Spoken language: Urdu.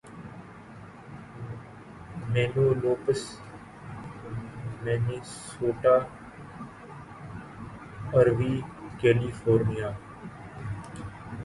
منینولوپس مینیسوٹا اروی کیلی_فورنیا